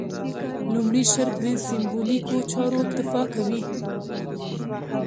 لومړي شرک سېمبولیکو چارو اکتفا کوي.